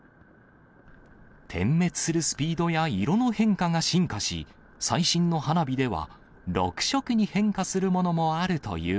点滅するスピードや色の変化が進化し、最新の花火では、６色に変化するものもあるという